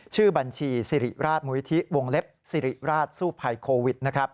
ชื่อบัญชีสิริราชมุยที่วงเล็บสิริราชสู้ภัยโควิดนะครับ